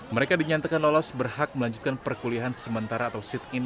mereka dinyatakan lolos berhak melanjutkan perkulihan sementara atau sit in